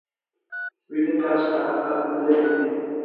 ویده کس د حقیقت نه لرې وي